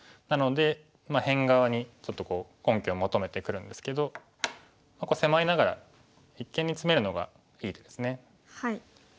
なので辺側にちょっと根拠を求めてくるんですけど狭いながら一間にツメるのがいい手ですね。